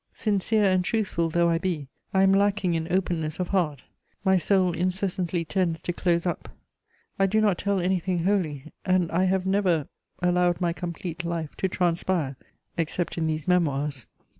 Sincere and truthful though I be, I am lacking in openness of heart: my soul incessantly tends to close up; I do not tell anything wholly, and I have never allowed my complete life to transpire, except in these Memoirs.